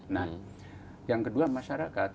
nah yang kedua masyarakat